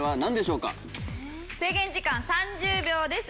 制限時間３０秒です。